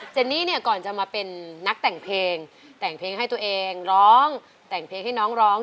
เนนี่เนี่ยก่อนจะมาเป็นนักแต่งเพลงแต่งเพลงให้ตัวเองร้องแต่งเพลงให้น้องร้อง